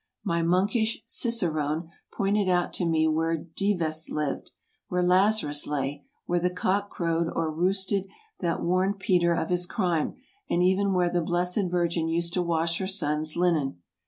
My monkish cicerone pointed out to me where Dives lived, where Lazarus lay, where the cock crowed or roosted that warned Peter of his crime, and even where the blessed Virgin used to wash her Son's linen.